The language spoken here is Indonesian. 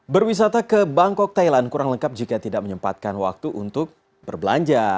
berwisata ke bangkok thailand kurang lengkap jika tidak menyempatkan waktu untuk berbelanja